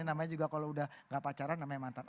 namanya juga kalau udah gak pacaran namanya mantan